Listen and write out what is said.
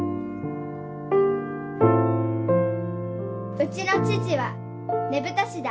うちの父はねぶた師だ。